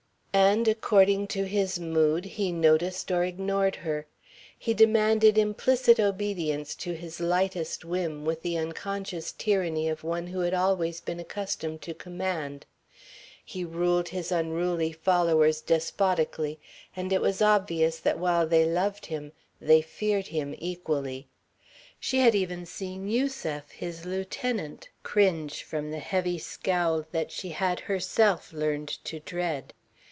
And, according to his mood, he noticed or ignored her. He demanded implicit obedience to his lightest whim with the unconscious tyranny of one who had always been accustomed to command. He ruled his unruly followers despotically, and it was obvious that while they loved him they feared him equally. She had even seen Yusef, his lieutenant, cringe from the heavy scowl that she had, herself, learned to dread.